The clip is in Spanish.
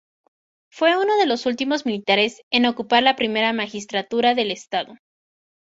Fue uno de los últimos militares en ocupar la primera magistratura del Estado.